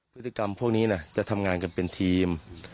พฤติกรรมพวกนี้จะทำงานกันเป็นทีม